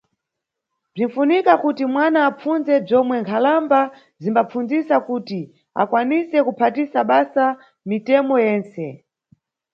Bzinʼfunika kuti wana apfundze bzomwe nkhalamba zimbapfundzisa kuti akwanise kuphatisa basa mitemo yentse.